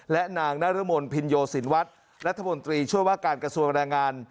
และนางนรมนภินโยสินวัฒน์รัฐมนตรีช่วยว่าการกระทรวงแรงงาน